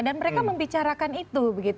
dan mereka membicarakan itu